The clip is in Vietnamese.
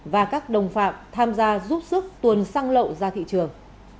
và các đồng phạm tham gia giúp sức tuần xăng lậu ra thị trường